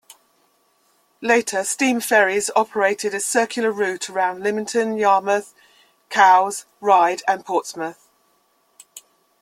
Later, steam ferries operated a circular route around Lymington, Yarmouth, Cowes, Ryde and Portsmouth.